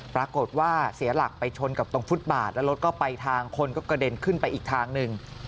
ปรากฏว่าเสียหลักไปชนกับตรงฟุตบาทแล้วรถก็ไปทางคนก็กระเด็นขึ้นไปอีกทางหนึ่ง